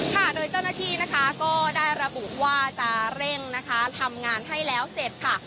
ค่ะโดยเจ้าหน้าที่นะคะก็ได้ระบุว่าจะเร่งนะคะทำงานให้แล้วเสร็จค่ะ